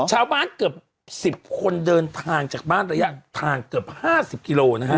ชาวบ้านเกือบ๑๐คนเดินทางจากบ้านระยะทางเกือบ๕๐กิโลนะฮะ